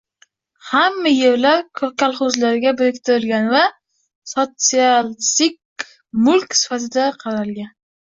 Hamma yerlar kolxozlarga biriktirilgan va sotsialistik mulk sifatida qaralgan.